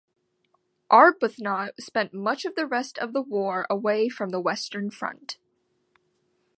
Arbuthnot spent much of the rest of the war away from the Western Front.